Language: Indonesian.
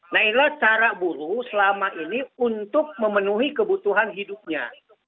nah inilah cara buruh selama ini untuk memenuhi kebutuhan hidupnya